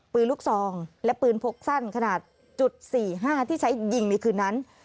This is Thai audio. ปืนลูกซองและปืนพกสั้นขนาดจุด๔๕ที่ใช้ยิงในคืนนั้น